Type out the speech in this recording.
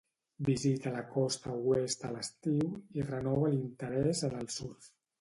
Visita la Costa Oest a l'estiu i renova l'interès en el surf.